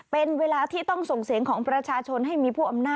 เป็นเวลาที่ต้องส่งเสียงของประชาชน